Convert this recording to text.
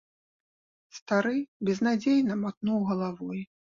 Стары безнадзейна матнуў галавой.